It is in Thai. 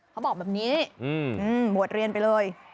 เขาบอกแบบนี้บวชเรียนไปเลย